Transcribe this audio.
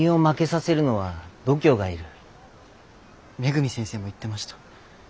恵先生も言ってました。